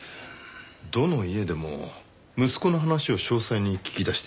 どの家でも息子の話を詳細に聞き出していました。